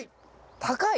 高い！